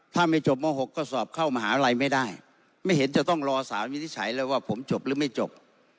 ถ้าไม่จบม๖ก็สอบเข้ามหาลัยไม่ได้ไม่เห็นจะต้องรอสารวินิจฉัยเลยว่าผมจบหรือไม่จบ